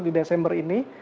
di desember ini